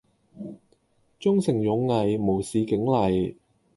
忠誠勇毅無視警例